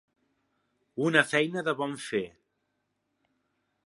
Una feina de bon fer.